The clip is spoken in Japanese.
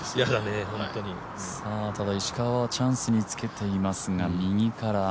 ただ、石川はチャンスにつけていますが、右から。